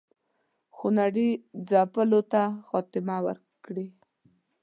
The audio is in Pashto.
خونړي ځپلو ته خاتمه ورکړي.